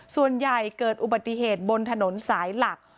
ส่วนใหญ่เกิดอุบัติเหตุบนถนนสายหลัก